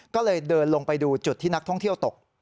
ก็เลยเดินลงไปดูจุดที่นักท่องเที่ยวตก